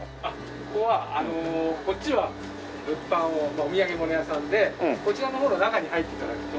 ここはこっちは物販をお土産物屋さんでこちらの方で中に入って頂くと。